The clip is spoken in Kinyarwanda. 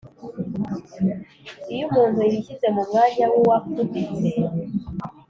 iyo umuntu yishyize mu mwanya w’uwafuditse,